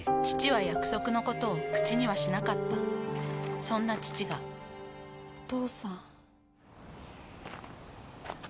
父は約束のことを口にはしなかったそんな父がお父さん。